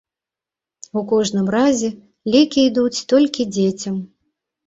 У кожным разе, лекі ідуць толькі дзецям.